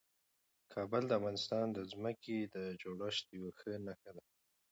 کابل د افغانستان د ځمکې د جوړښت یوه ښه نښه ده.